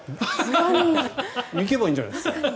行けばいいんじゃないですか？